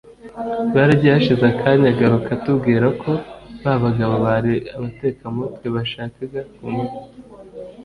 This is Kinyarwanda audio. baragiye hashize akanya agaruka atubwira ko ba bagabo bari abatekamutwe bashakaga kumwiba